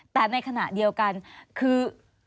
แต่ในขณะเดียวกันคือ